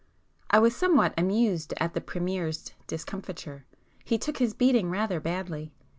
I was somewhat amused at the Premier's discomfiture,—he took his beating rather badly.